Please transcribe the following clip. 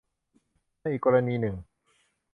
ในอีกกรณีหนึ่ง